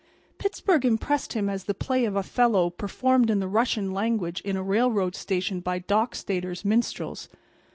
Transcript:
Pittsburg impressed him as the play of "Othello" performed in the Russian language in a railroad station by Dockstader's minstrels.